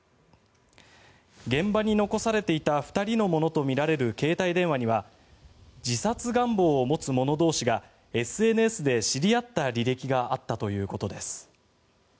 現場に残されていた２人のものとみられる携帯電話には自殺願望を持つ者同士がＳＮＳで知り合った履歴があったということです。